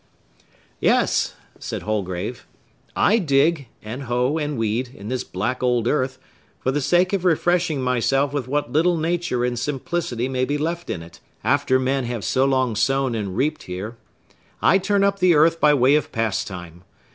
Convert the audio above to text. "Yes," said Holgrave, "I dig, and hoe, and weed, in this black old earth, for the sake of refreshing myself with what little nature and simplicity may be left in it, after men have so long sown and reaped here. I turn up the earth by way of pastime.